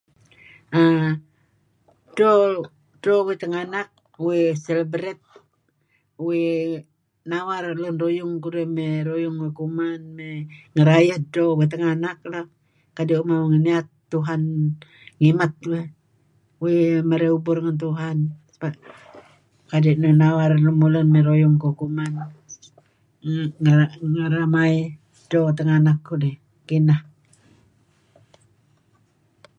err dto dto uih tenganak uih celebrate, uih nawar lun ruyung kudih mey ruyung uih kuman ngerayeh edto uih tenganak lah kadi' uih liyat Tuhan ngimet uih , uih merey ubur ngen Tuhan kadi' nuih nawar lemulun mey ruyung kuh kuman ngeramai edto tenganak kudih. Kineh.